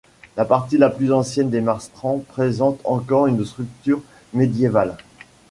La partie la plus ancienne de Marstrand présente encore une structure médiévale.